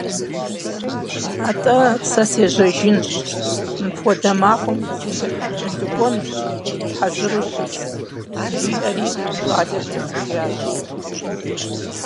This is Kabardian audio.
- АтӀэ, сэ сежьэжынщ, мыпхуэдэ махуэм фызышэр къыпкӀэлъыкӀуэнущи, хьэзыру щыс, - жиӀэри, щӀалэр шэсыжащ.